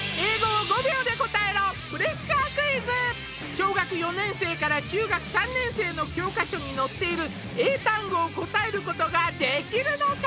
小学４年生から中学３年生の教科書に載っている英単語を答えることができるのか？